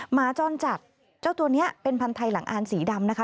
หมาจรจัดเจ้าตัวนี้เป็นพันธุ์ไทยหลังอ่านสีดำนะคะ